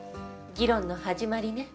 議論の始まりね。